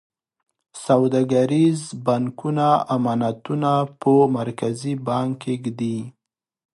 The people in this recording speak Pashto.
سوداګریز بانکونه امانتونه په مرکزي بانک کې ږدي.